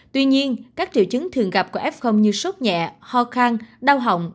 tuy nhiên các triệu chứng thường gặp của f như sốt nhẹ ho khang đau họng